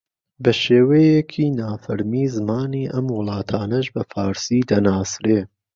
بە شێوەیەکی نافەرمی زمانی ئەم وڵاتانەش بە فارسی دەناسرێ